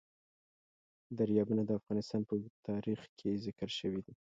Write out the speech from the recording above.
دریابونه د افغانستان په اوږده تاریخ کې ذکر شوی دی.